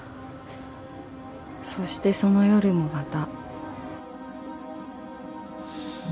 ［そしてその夜もまた］